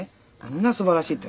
みんなすばらしいって。